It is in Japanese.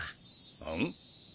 あん？